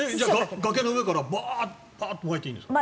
崖の上からバーッとまいていいんですか？